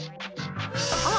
あっ！